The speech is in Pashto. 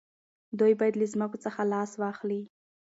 دوی باید له ځمکو څخه لاس واخلي.